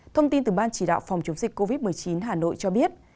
thông tin từ ban chỉ đạo phòng chống dịch covid một mươi chín hà nội cho biết